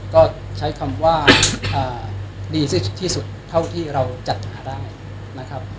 ก็ใช้คำว่าดีที่สุดเท่าที่เราจัดหาได้นะครับ